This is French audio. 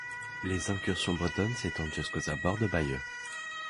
Les incursions bretonnes s'étendent jusqu'aux abords de Bayeux.